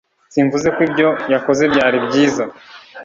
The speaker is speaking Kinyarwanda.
Simvuze ko ibyo yakoze byari byiza